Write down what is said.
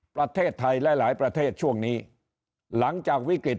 ประเทศไทยหลายหลายประเทศช่วงนี้หลังจากวิกฤต